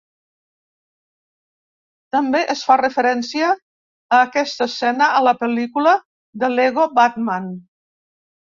També es fa referència a aquesta escena a la pel·lícula de Lego Batman.